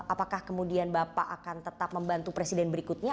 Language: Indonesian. apakah kemudian bapak akan tetap membantu presiden berikutnya